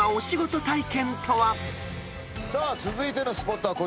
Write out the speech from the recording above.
続いてのスポットはこちらです。